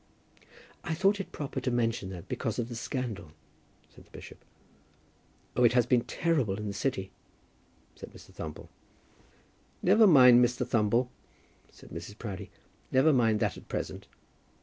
"I thought it proper to mention that, because of the scandal," said the bishop. "Oh, it has been terrible in the city," said Mr. Thumble. "Never mind, Mr. Thumble," said Mrs. Proudie. "Never mind that at present."